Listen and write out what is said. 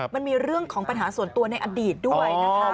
มันมีเรื่องของปัญหาส่วนตัวในอดีตด้วยนะคะ